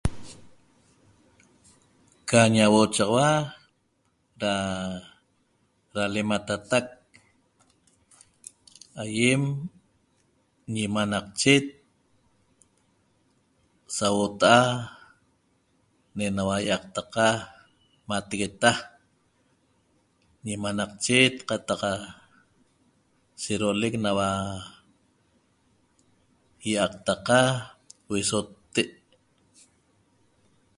Qa ñahuochaxaua da l'lamenatataq ayem ñemanaqchet sahuotaa' ne enagua iactaqa matagueta' ñemanaqchet qataq sa adoleq nahua na iactaqa isotte